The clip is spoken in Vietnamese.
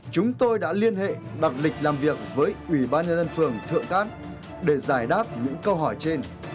chúng tôi đã liên hệ đặc lịch làm việc với ủy ban nhân dân phường thượng cát để giải đáp những câu hỏi trên